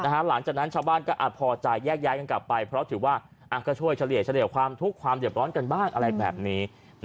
หลังจากนั้นชาวบ้านก็พอใจแยกย้ายกันกลับไปเพราะถือว่าก็ช่วยเฉลี่ยความทุกข์ความเดือบร้อนกันบ้างอะไรแบบนี้